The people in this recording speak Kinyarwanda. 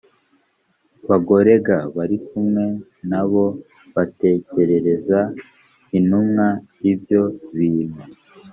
bagore g bari kumwe na bo batekerereza intumwa ibyo bintu